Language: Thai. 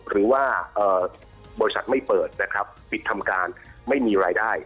หรือว่าบริษัทไม่เปิดนะครับปิดทำการไม่มีรายได้